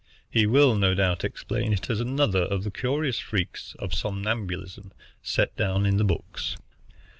He will no doubt explain it as another of the curious freaks of somnambulism set down in the books.